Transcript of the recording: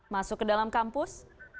masuk ke dalam kampus